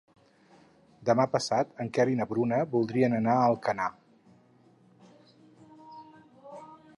Demà passat en Quer i na Bruna voldrien anar a Alcanar.